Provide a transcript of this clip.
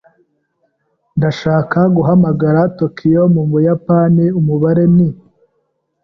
Ndashaka guhamagara Tokiyo, mu Buyapani. Umubare ni -.